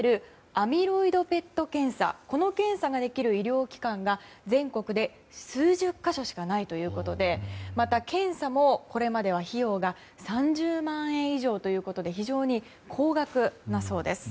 アミロイドＰＥＴ検査ができる医療機関が全国で数十か所しかないということでまた、検査もこれまでは費用が３０万円以上ということで非常に高額だそうです。